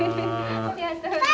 ありがとうございます。